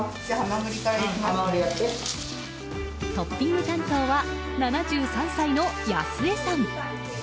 トッピング担当は７３歳のやす江さん。